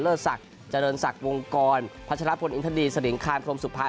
ศักดิ์เจริญศักดิ์วงกรพัชรพลอินทดีสลิงคานพรมสุภา